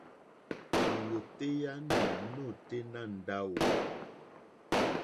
Lìwòtéyá nù nôténá ndáwò.